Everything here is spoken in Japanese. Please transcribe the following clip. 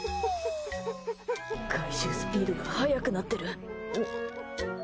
回収スピードが速くなってる。